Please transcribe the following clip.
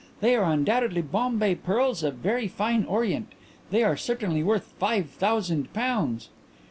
They are undoubtedly Bombay pearls of very fine orient. They are certainly worth five thousand pounds.'"